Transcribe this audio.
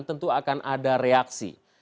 tentu akan ada reaksi